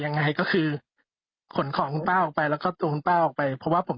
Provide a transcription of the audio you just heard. ยังไงก็คือของไปแล้วก็ตัวไป